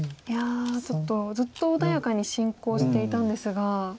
いやちょっとずっと穏やかに進行していたんですが。